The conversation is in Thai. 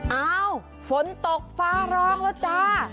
เอ้าฝนตกฟ้าร้องแล้วจ้า